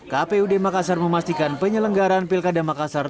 kpud makassar memastikan penyelenggaran pilkada makassar